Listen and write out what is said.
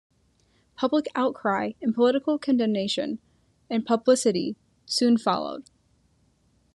Public outcry and political condemnation, and publicity soon followed.